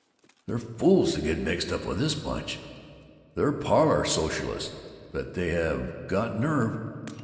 They're fools to get mixed up with this bunch. They're parlor socialists! But they have got nerve.